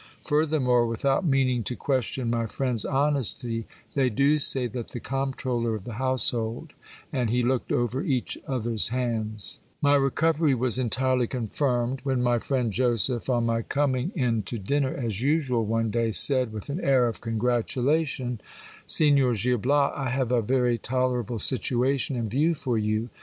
Furthermore, without meaning to question my friend's honesty, they do say that the comptroller of the household and he looked over each other's hands. My recovery was entirely confirmed, when my friend Joseph, on my coming GIL BIAS IN THE SERVICE OF SIGXOR MONTESER. 277 in to dinner as usual one day, said with an air of congratulation : Signor Gil Bias, I have a very tolerable situation in view for you.